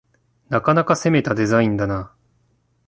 なかなか攻めたデザインだな